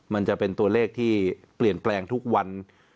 มันจะเป็นตัวเลขที่เปลี่ยนแปลงทุกวัน